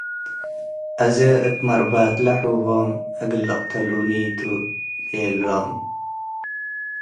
አዜ እት መርባትለ ሑሆም እግል ልቅተሉኒ ቱ!" ቤሎም።